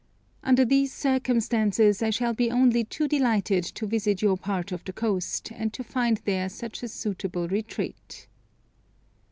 Under these circumstances, I shall be only too delighted to visit your part of the coast, and to find there such a suitable retreat."